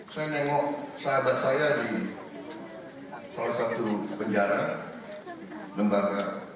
saya nengok sahabat saya di salah satu penjara lembaga